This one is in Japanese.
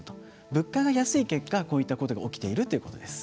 物価が安い結果こういったことが起きているということです。